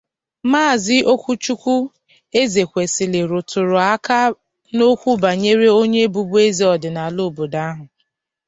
Maazị Okwuchukwu Ezekwesili rụtụrụ aka n'okwu bànyere onye bụbụ eze ọdịnala obodo ahụ